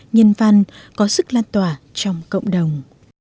nhân văn có sức lan tỏa trong cộng đồng